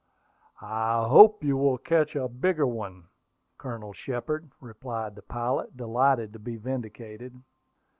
"I hope you will yet catch a bigger one, Colonel Shepard," replied the pilot, delighted to be vindicated.